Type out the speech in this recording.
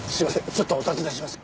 ちょっとお尋ねします。